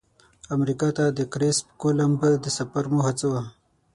امریکا ته د کرسف کولمب د سفر موخه څه وه؟